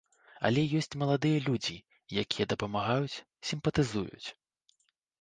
Але ёсць маладыя людзі, якія дапамагаюць, сімпатызуюць.